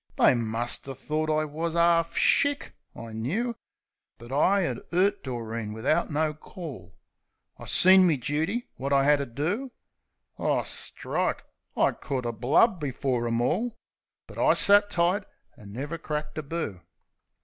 They muster thort I wus 'arf shick, I knoo. But I 'ad 'urt Doreen wivout no call; I seen me dooty, wot I 'ad to do. O, strike ! I could 'a' blubbed before 'em all ! But I sat tight, an' never cracked a boo.